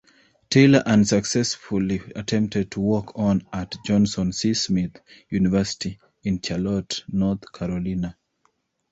Taylor unsuccessfully attempted to walk-on at Johnson C. Smith University in Charlotte, North Carolina.